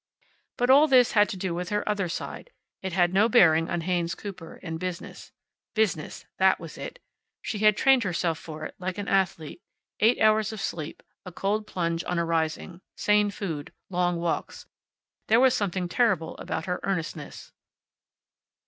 But all this had to do with her other side. It had no bearing on Haynes Cooper, and business. Business! That was it. She had trained herself for it, like an athlete. Eight hours of sleep. A cold plunge on arising. Sane food. Long walks. There was something terrible about her earnestness.